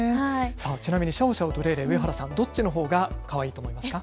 ちなみにシャオシャオとレイレイ、上原さん、どっちがかわいいと思いますか。